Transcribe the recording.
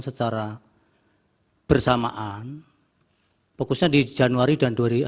secara bersamaan fokusnya di januari dan